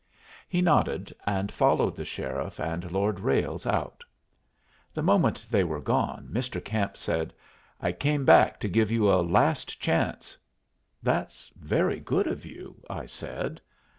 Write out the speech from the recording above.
He nodded, and followed the sheriff and Lord Ralles out. The moment they were gone, Mr. Camp said, "I came back to give you a last chance." "That's very good of you," I said.